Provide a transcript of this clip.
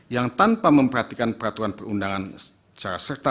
yang tanpa memperhatikan peraturan perundangan secara serta